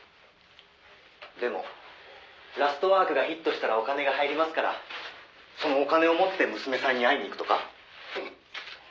「でも『ラストワーク』がヒットしたらお金が入りますからそのお金を持って娘さんに会いに行くとか？」